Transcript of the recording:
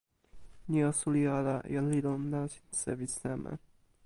ni o suli ala: jan li lon nasin sewi seme.